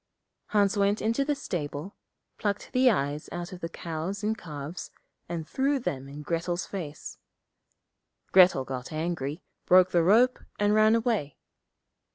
Hans went into the stable, plucked the eyes out of the cows and calves, and threw them in Grettel's face. Grettel got angry, broke the rope, and ran away.